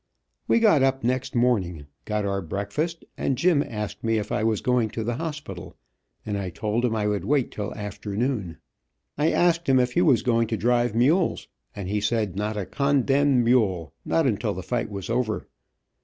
We got up next morning, got our breakfast, and Jim asked me if I was going to the hospital and I told him I would wait till afternoon. I asked him if he was going to drive mules, and he said not a condemned mule, not until the fight was over.